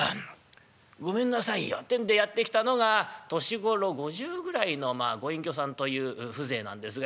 「ごめんなさいよ」てんでやって来たのが年頃５０ぐらいのまあご隠居さんという風情なんですが。